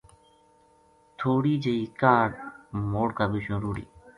تھوڑی جئی کاہڈ موڑ کا بِچوں رُڑٰی